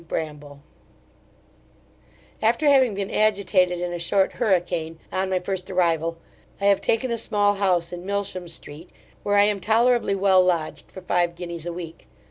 BRAMBLE, After having been agitated in a short hurricane, on my first arrival, I have taken a small house in Milsham street, where I am tolerably well lodged, for five guineas a week.